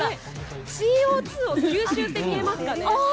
ＣＯ２を吸収ってありますよね。